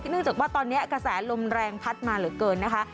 เนื่องจากว่าตอนนี้กระแสลมแรงพัดมาเหลือเกินนะคะ